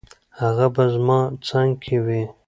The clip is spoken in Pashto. هغه به زما څنګ کې وي.